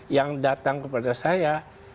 yang datang kepada saya